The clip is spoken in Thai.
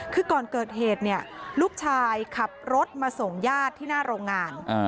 คือก่อนเกิดเหตุเนี่ยลูกชายขับรถมาส่งญาติที่หน้าโรงงาน